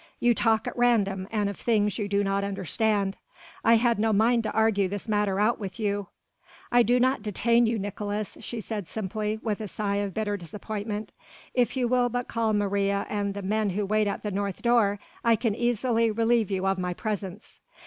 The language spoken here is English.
You talk at random and of things you do not understand: I had no mind to argue this matter out with you." "I do not detain you, Nicolaes," she said simply, with a sigh of bitter disappointment. "If you will but call Maria and the men who wait at the north door, I can easily relieve you of my presence."